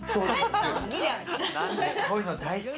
こういうの大好き！